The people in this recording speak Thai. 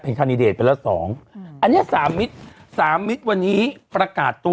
คันดิเดตไปแล้วสองอืมอันเนี้ยสามมิตรสามมิตรวันนี้ประกาศตัว